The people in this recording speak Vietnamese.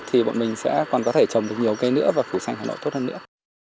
thì bọn mình sẽ còn có thể trồng được nhiều cây nữa và phủ xanh hà nội tốt hơn nữa